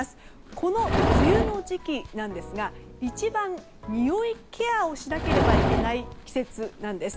この梅雨の時期ですが一番、においケアをしなければいけない季節なんです。